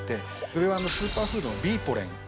上はスーパーフードのビーポーレン。